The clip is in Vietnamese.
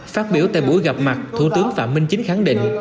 phát biểu tại buổi gặp mặt thủ tướng phạm minh chính khẳng định